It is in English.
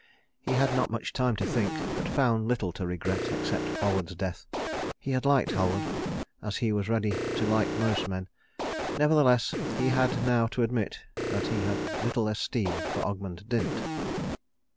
He had not much time to think, but found little to regret except Halward's death. He had liked Halward, as he was ready to like most men. Nevertheless, he had now to admit that he had little esteem for Ogmund Dint.